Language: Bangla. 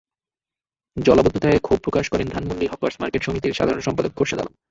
জলাবদ্ধতায় ক্ষোভ প্রকাশ করেন ধানমন্ডি হকার্স মার্কেট সমিতির সাধারণ সম্পাদক খোরশেদ আলম।